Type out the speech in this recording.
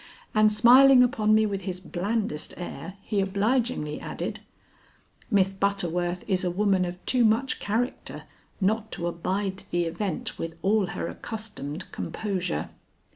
And smiling upon me with his blandest air, he obligingly added: "Miss Butterworth is a woman of too much character not to abide the event with all her accustomed composure."